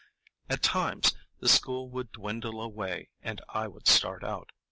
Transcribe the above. At times the school would dwindle away, and I would start out.